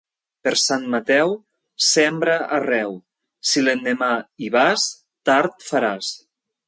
Per Sant Mateu, sembra arreu; si l'endemà hi vas, tard faràs.